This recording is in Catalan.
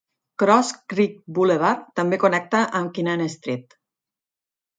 Cross Creek Boulevard també connecta amb Kinnan Street.